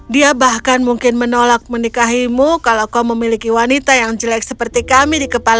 dia bahkan mungkin menolak menikahimu kalau kau memiliki wanita yang jelek seperti kami di kepala